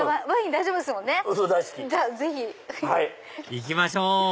行きましょう！